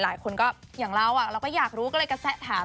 หลายคนก็อยากรู้ก็เลยแสะถาม